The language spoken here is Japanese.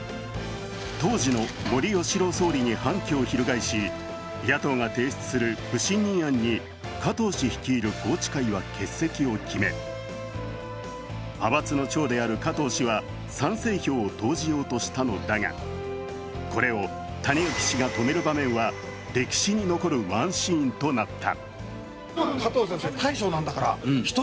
当時の森喜朗総理に反旗を翻し野党が提出する不信任案に加藤氏率いる宏池会は欠席を決め派閥の長である加藤氏は賛成票を投じようとしたのだがこれを谷垣氏が止める場面は歴史に残るワンシーンとなった。